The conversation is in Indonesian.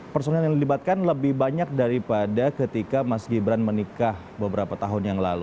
personil yang dilibatkan lebih banyak daripada ketika mas gibran menikah beberapa tahun yang lalu